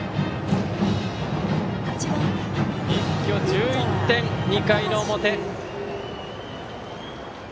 一挙１１点、２回の表。